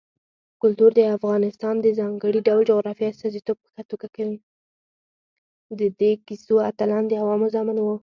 د دې کیسو اتلان د عوامو زامن وو.